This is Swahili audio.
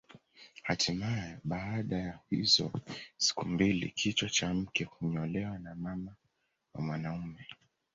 Hatimae baada ya hizo siku mbili kichwa cha mke hunyolewa na mama wa mwanaume